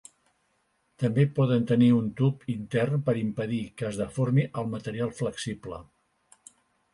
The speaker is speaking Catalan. També poden tenir un tub intern per impedir que es deformi el material flexible.